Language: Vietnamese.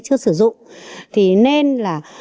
chưa sử dụng thì nên là